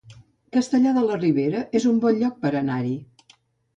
Castellar de la Ribera es un bon lloc per anar-hi